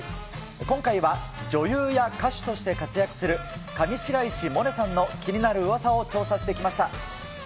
今回は、女優や歌手として活躍する、上白石萌音さんの気になるうわさを調査してきました。